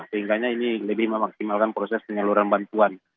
sehingga ini lebih memaksimalkan proses penyaluran bantuan